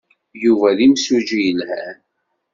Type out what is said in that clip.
Yuba d imsujji yelhan.